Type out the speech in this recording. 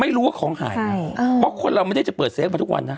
ไม่รู้ว่าของหายไงเพราะคนเราไม่ได้จะเปิดเฟฟมาทุกวันนะ